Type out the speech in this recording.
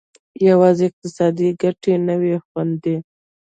یوازې اقتصادي ګټې نه وې خوندي.